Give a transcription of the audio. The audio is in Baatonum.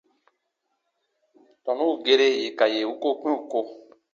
Tɔnu ù gerer yè ka yè u koo kpĩ ù ko.